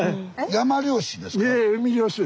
海漁師ですか。